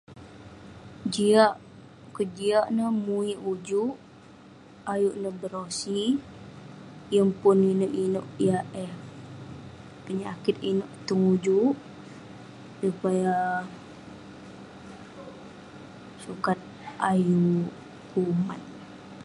Jiak- kejiak neh muik ujuk, ayuk neh berosi yeng pun inouk inouk yah eh penyakit inouk tong ujuk supaya- sukat ayuk kuman.